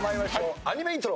アニメイントロ。